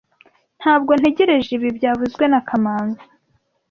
Ntabwo ntegereje ibi byavuzwe na kamanzi